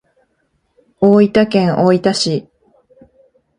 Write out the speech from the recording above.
大分県大分市